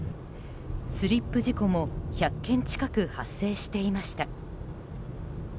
スリップ事故も１００件近く発生していました。